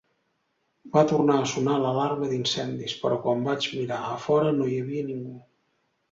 Va tornar a sonar l'alarma d'incendis, però quan vaig mirar a fora no hi havia ningú.